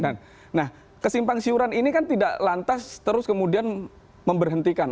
nah kesimpang siuran ini kan tidak lantas terus kemudian memberhentikan